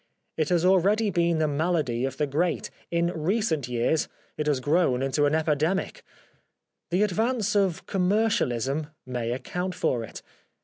It has al ways been the malady of the great ; in recent years it has grown into an epidemic. The ad vance of commercialism may account for it.